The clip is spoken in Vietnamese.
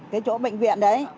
cái chỗ bệnh viện đấy